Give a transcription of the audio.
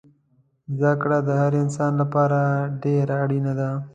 زده کړه دهر انسان لپاره دیره اړینه ده